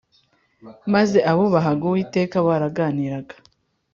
Maze abubahaga Uwiteka baraganiraga